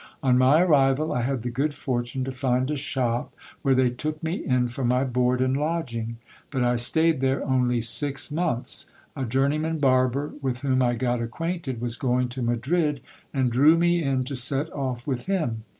On my arrival, I had the good fortune to find a shop, where they took me in for my board and lodging ; but I staid there only six months ; a journeyman barber, with whom I got acquainted, was going to Madrid, and drew me in to set off with him.